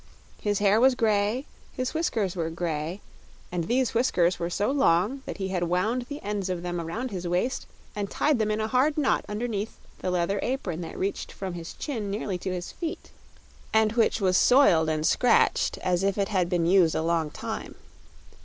His hair was grey, his whiskers were grey; and these whiskers were so long that he had wound the ends of them around his waist and tied them in a hard knot underneath the leather apron that reached from his chin nearly to his feet, and which was soiled and scratched as if it had been used a long time.